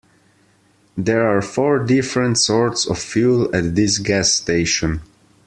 There are four different sorts of fuel at this gas station.